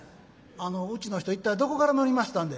「あのうちの人一体どこから乗りましたんで？」。